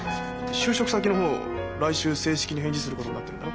就職先の方来週正式に返事することになってるんだろ？